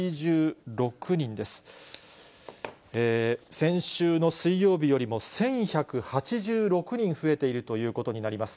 先週の水曜日よりも１１８６人増えているということになります。